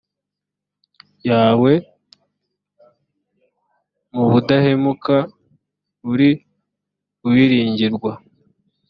yawe mu budahemuka uri uwiringirwa